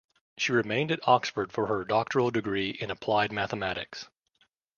She remained at Oxford for her doctoral degree in applied mathematics.